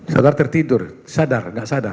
saudara tertidur sadar nggak sadar